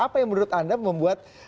apa yang menurut anda membuat